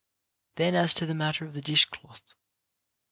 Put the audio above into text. Then as to the matter of the dish cloth.